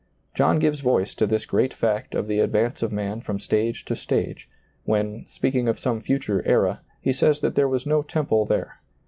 John gives voice to this great fact of the ad vance of man from stage to stage, when, speak ing of some future era, he says that there was no temple there.